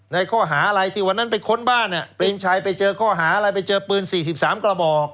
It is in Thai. ในข้อหาอะไรที่วันนั้นไปค้นบ้านเปรมชัยไปเจอข้อหาอะไรไปเจอปืน๔๓กระบอก